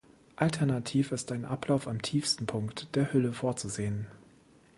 Alternativ ist ein Ablauf am tiefsten Punkt der Hülle vorzusehen.